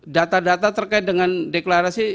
data data terkait dengan deklarasi